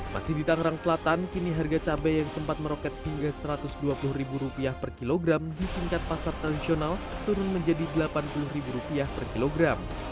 masih di tangerang selatan kini harga cabai yang sempat meroket hingga rp satu ratus dua puluh per kilogram di tingkat pasar tradisional turun menjadi rp delapan puluh per kilogram